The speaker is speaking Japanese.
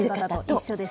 一緒です。